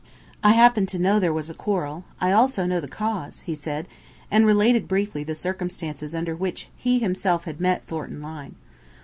"I happen to know there was a quarrel. I also know the cause," he said, and related briefly the circumstances under which he himself had met Thornton Lyne.